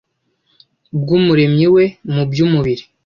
bw’Umuremyi we mu by’umubiri